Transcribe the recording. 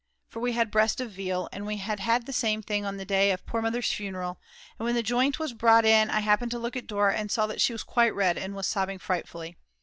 For we had breast of veal, and we had had the same thing on the day of poor Mother's funeral, and when the joint was brought in I happened to look at Dora and saw that she was quite red and was sobbing frightfully.